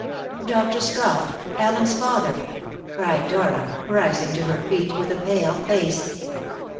"Dr. Scott Allen's father!" cried Dora, rising to her feet with a pale face.